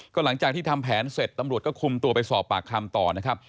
หลังจากที่ทำแผนเสร็จตำรวจก็คุมตัวไปสอบปากคำต่อนะครับ